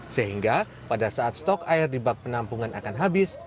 sehingga pada saat stok air di bak penampungan akan habis